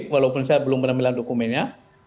walaupun saya belum menampilkan dokumennya